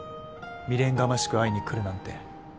未練がましく会いに来るなんて